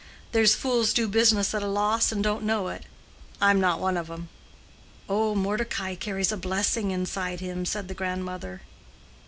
There's fools do business at a loss and don't know it. I'm not one of 'em." "Oh, Mordecai carries a blessing inside him," said the grandmother.